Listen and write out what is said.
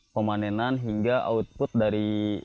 pemanenan hingga output dari